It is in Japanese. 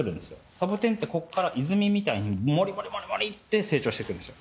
サボテンってここから泉みたいにもりもりもりもりって成長してくるんですよ。